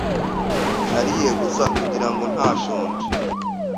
Nariye gusa kugirango ntashonje.